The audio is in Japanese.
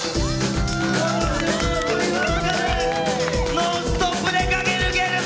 ノンストップで駆け抜けるぜ！